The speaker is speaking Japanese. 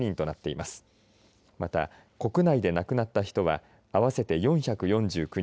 また国内で亡くなった人は合わせて４４９人。